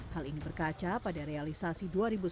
hal ini berkaca pada realisasi dua ribu dua puluh